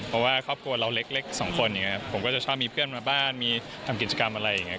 เพราะว่าครอบครัวเราเล็กสองคนอย่างนี้ผมก็จะชอบมีเพื่อนมาบ้านมีทำกิจกรรมอะไรอย่างนี้